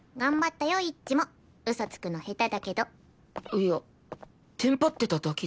いやテンパってただけで。